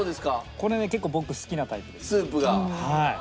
これね結構僕好きなタイプですね。